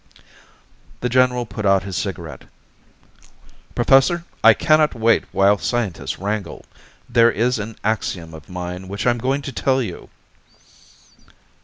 The general put out his cigarette. "Professor, I cannot wait while scientists wrangle. There is an axiom of mine which I am going to tell you."